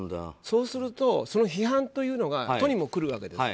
そうするとその批判というのが都にも来ると。